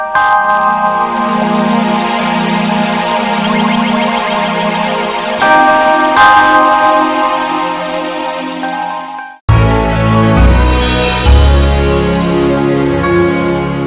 sampai jumpa lagi